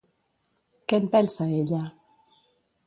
Què en pensa ella?